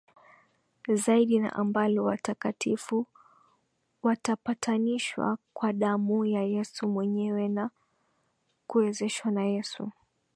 Zaidi na ambalo watakatifu watapatanishwa kwa damu ya Yesu mwenyewe na kuwezeshwa na Yesu